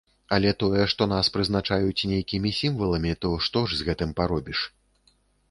Але тое, што нас прызначаюць нейкімі сімваламі, то што ж з гэтым паробіш.